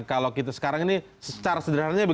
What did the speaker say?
ini karena sekarang ini secara sederhananya